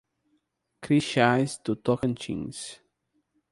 Crixás do Tocantins